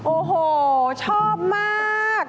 โอ้โหชอบมาก